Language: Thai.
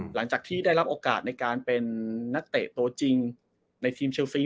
หลังจากที่ได้รับโอกาสในการเป็นนักเตะตัวจริงในทีมเชลฟรี